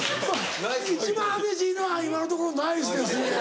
一番激しいのは今のところ「ナイスですねぇ」。